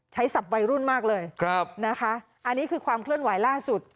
ศัพท์วัยรุ่นมากเลยครับนะคะอันนี้คือความเคลื่อนไหวล่าสุด